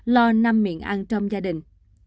lo năm miệng ăn trong gia đình